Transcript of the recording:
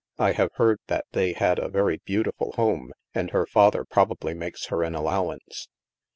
I have heard that they had a very beautiful home, and her father probably makes her an allow ance.